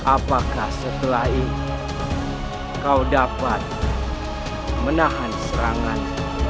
apakah setelahi kau dapat menahan serangan